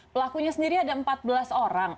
pelakunya sendiri ada empat belas orang